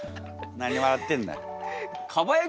何笑ってんだよ。